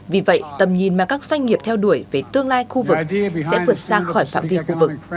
vì vậy tầm nhìn mà các doanh nghiệp theo đuổi về tương lai khu vực sẽ vượt xa khỏi phạm vi khu vực